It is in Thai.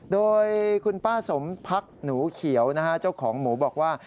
โดยคุณป้าสมพักหนูเขียวนะฮะเจ้าของหมูบอกว่า